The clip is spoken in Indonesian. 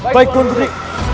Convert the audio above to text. baik tuan putri